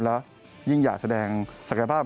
แล้วยิ่งอยากแสดงศักยภาพ